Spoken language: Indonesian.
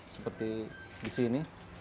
seperti di sini